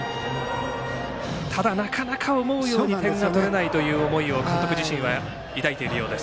ただ、なかなか思うように点が取れないという思いを監督自身は、抱いているようです。